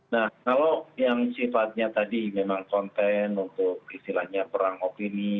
nah kalau yang sifatnya tadi memang konten untuk istilahnya perang opini